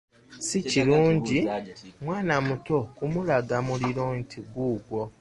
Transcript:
Si kirungi mwana muto kumulaga muliro nti guugwo.